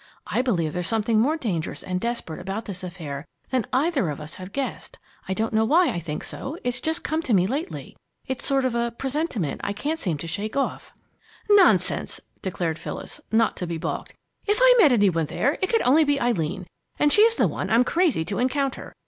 I believe there's something more dangerous and desperate about this affair than either of us have guessed. I don't know why I think so it's just come to me lately. It's a sort of presentiment I can't seem to shake off!" "Nonsense!" declared Phyllis, not to be balked. "If I met any one there, it could only be Eileen, and she's the one I'm crazy to encounter.